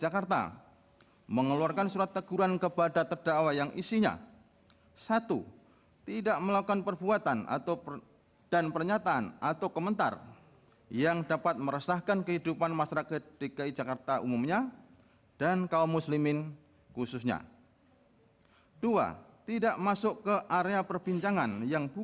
kepulauan seribu kepulauan seribu